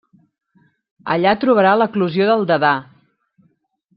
Allà trobarà l'eclosió del Dadà.